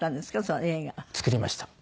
その映画。作りました。